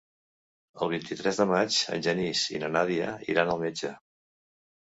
El vint-i-tres de maig en Genís i na Nàdia aniran al metge.